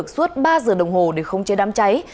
suốt ba giờ đồng hồ để không chế đám cháy